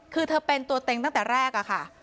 คือเธอเป็นตัวเต็งตั้งแต่แรกอะค่ะ